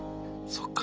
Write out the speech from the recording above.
そっか。